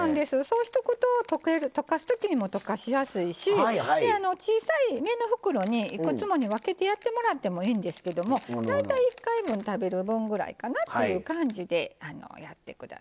そうしとくと溶かすときにも溶かしやすいし小さめの袋にいくつもに分けてやってもいいんですけども大体１回分食べる分ぐらいかなっていう感じでやって下さい。